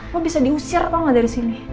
lo bisa diusir tau gak dari sini